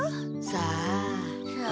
さあ。